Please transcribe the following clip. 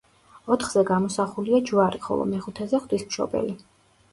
ოთხზე გამოსახულია ჯვარი ხოლო მეხუთეზე ღვთისმშობელი.